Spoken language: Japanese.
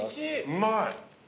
うまい。